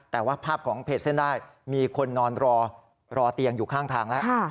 แต่ว่าภาพของเพจเส้นได้มีคนนอนรอเตียงอยู่ข้างทางแล้ว